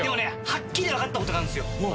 はっきり分かったことがあるんですよ。